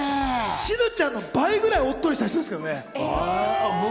しずちゃんの倍ぐらいおっとりした人ですからね。